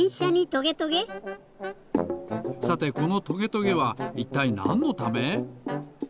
さてこのトゲトゲはいったいなんのため？